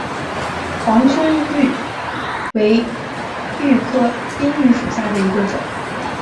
黄胸鹬为鹬科滨鹬属下的一个种。